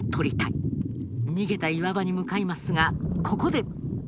逃げた岩場に向かいますがここで！